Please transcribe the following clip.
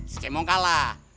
si cemong kalah